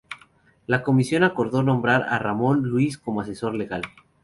La Comisión acordó nombrar a Ramón Luis como asesor legal.